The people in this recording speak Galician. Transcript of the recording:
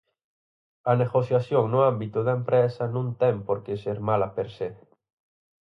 A negociación no ámbito da empresa non ten por que ser mala per se.